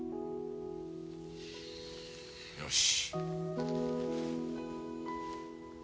よし。